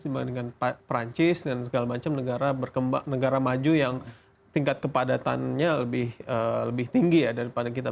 dibandingkan perancis dan segala macam negara maju yang tingkat kepadatannya lebih tinggi daripada kita